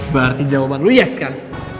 berarti jawaban lo yes kan